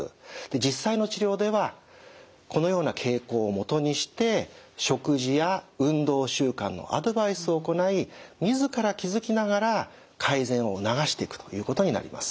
実際の治療ではこのような傾向をもとにして食事や運動習慣のアドバイスを行い自ら気付きながら改善を促していくということになります。